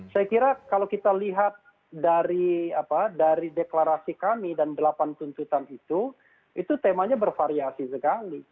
saya kira kalau kita lihat dari deklarasi kami dan delapan tuntutan itu itu temanya bervariasi sekali